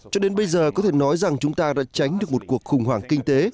cho đến bây giờ có thể nói rằng chúng ta đã tránh được một cuộc khủng hoảng kinh tế